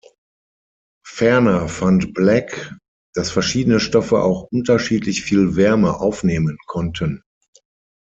Ferner fand Black, dass verschiedene Stoffe auch unterschiedlich viel Wärme aufnehmen konnten.